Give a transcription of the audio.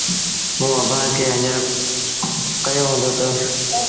موٚنٚ اڀآنٚ کي هڃر ڪهيو هُݩدو تا